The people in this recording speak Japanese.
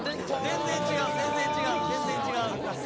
全然違う全然違う全然違う。